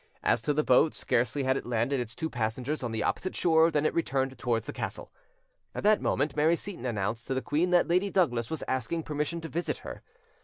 As to the boat, scarcely had it landed its two passengers on the opposite shore than it returned towards the castle. At that moment Mary Seyton announced to the queen that Lady Douglas was asking permission to visit her.